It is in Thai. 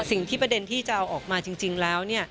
ประเด็นที่จะเอาออกมาจริงแล้ว